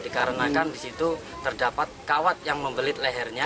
dikarenakan disitu terdapat kawat yang membelit lehernya